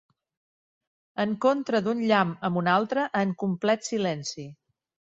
Encontre d'un llamp amb un altre en complet silenci.